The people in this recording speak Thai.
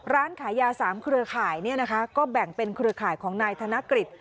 ร้านขายยา๓เครือข่ายก็แบ่งเป็นเครือข่ายของนายธนกฤษ